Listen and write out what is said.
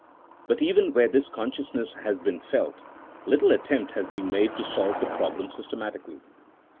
But even where this consciousness has been felt, little attempt has b^en made to solve the problem systematically.